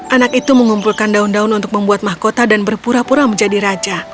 anak itu mengumpulkan daun daun untuk membuat mahkota dan berpura pura menjadi raja